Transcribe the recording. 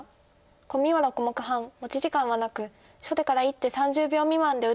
コミは６目半持ち時間はなく初手から１手３０秒未満で打って頂きます。